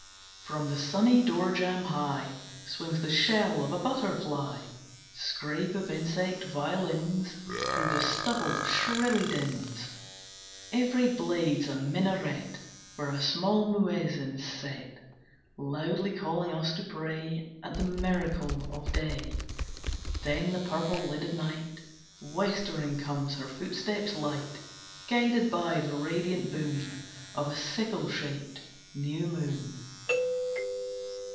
From the sunny door jamb high, Swings the shell of a butterfly. Scrape of insect violins Through the stubble shrilly dins. Every blade's a minaret Where a small muezzin's set, Loudly calling us to pray At the miracle of day. Then the purple lidded night Westering comes, her footsteps light Guided by the radiant boon Of a sickle shaped new moon.